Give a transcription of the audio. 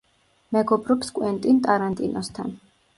მეგობრობს კვენტინ ტარანტინოსთან.